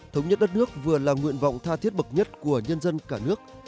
thống nhất đất nước vừa là nguyện vọng tha thiết bậc nhất của nhân dân cả nước